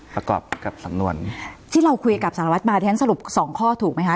ประกอบกับสำนวนที่เราคุยกับสารวัตรมาที่ฉันสรุปสองข้อถูกไหมคะ